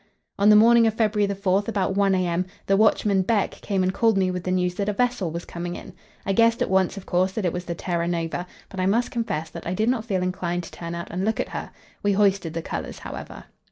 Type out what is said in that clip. On the morning of February 4, about 1 a.m., the watchman, Beck, came and called me with the news that a vessel was coming in. I guessed at once, of course, that it was the Terra Nova; but I must confess that I did not feel inclined to turn out and look at her. We hoisted the colours, however.